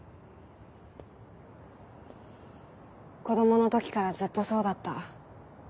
子供の時からずっとそうだった。